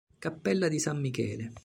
Cappella di San Michele